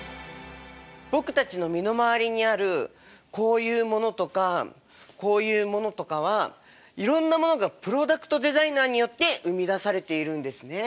僕たちの身の回りにあるこういうものとかこういうものとかはいろんなモノがプロダクトデザイナーによって生み出されているんですね。